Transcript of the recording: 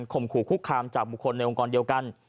มขู่คุกคามจากบุคคลในองค์กรเดียวกัน